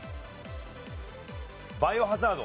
『バイオハザード』。